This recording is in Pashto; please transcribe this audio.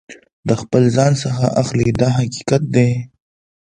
د خپل ځان څخه اخلي دا حقیقت دی.